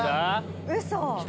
ウソ